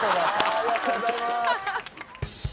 ありがとうございます。